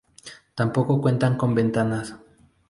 Tampoco cuentan con ventanas.